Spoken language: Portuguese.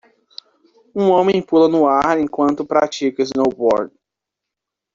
Um homem pula no ar enquanto pratica snowboard.